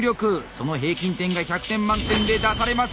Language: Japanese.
その平均点が１００点満点で出されます。